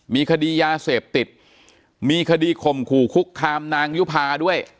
มีคดียาเสพติดมีคดีข่มขู่คุกคามนางยุภาด้วย